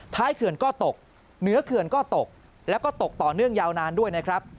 เขื่อนก็ตกเหนือเขื่อนก็ตกแล้วก็ตกต่อเนื่องยาวนานด้วยนะครับ